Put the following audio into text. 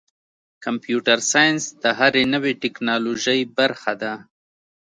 کمپیوټر ساینس د هرې نوې ټکنالوژۍ برخه ده.